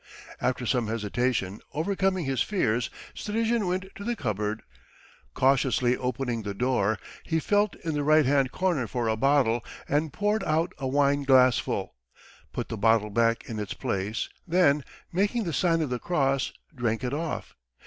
After some hesitation, overcoming his fears, Strizhin went to the cupboard. Cautiously opening the door he felt in the right hand corner for a bottle and poured out a wine glassful, put the bottle back in its place, then, making the sign of the cross, drank it off.